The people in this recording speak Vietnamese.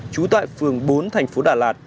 trú tại phường bốn thành phố đà lạt